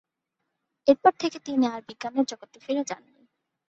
এর পর থেকে তিনি আর বিজ্ঞানের জগতে ফিরে যাননি।